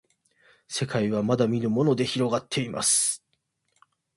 せかいはまだみぬものでひろがっています